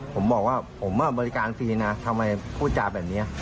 ผมบอกว่าผมบริการฟรีนะทำไมพูดจาแบบนี้